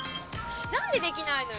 何でできないのよ。